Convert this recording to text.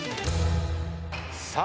さあ